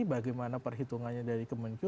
bagaimana perhitungannya dari kemenku